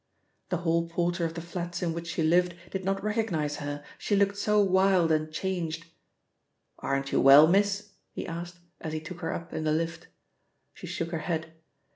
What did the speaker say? The hall porter of the flats in which she lived did not recognise her, she looked so wild and changed. "Aren't you well, miss?" he asked as he took her up in the lift. She shook her head.